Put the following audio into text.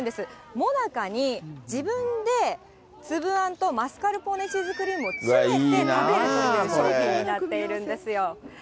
もなかに自分で粒あんとマスカルポーネチーズクリームをつめて食べるという商品になっているんですよ。